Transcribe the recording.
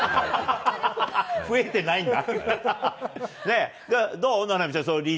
増えてないんか。